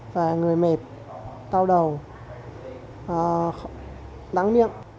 và người mệt tao đầu đắng miệng